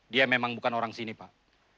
dia memang bukan orang sini pak